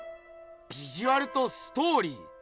ビジュアルとストーリー。